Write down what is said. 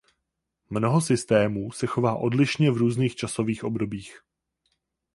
Mnoho systémů se chová odlišně v různých časových obdobích.